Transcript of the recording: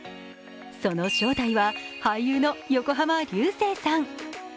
その正体は、俳優の横浜流星さん。